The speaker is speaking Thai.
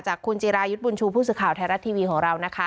คุณจิรายุทธ์บุญชูผู้สื่อข่าวไทยรัฐทีวีของเรานะคะ